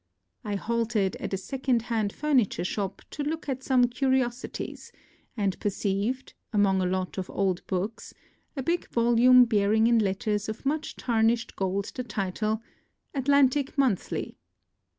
I halted at a second hand furniture shop to look at some curiosities, and perceived, among a lot of old books, a big volume bear ing in letters of much tarnished gold the title, Atlantic Monthly.